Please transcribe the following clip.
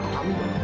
gue akan main main